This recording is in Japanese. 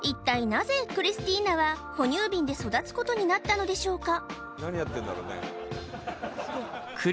なぜクリスティーナは哺乳瓶で育つことになったのでしょうか？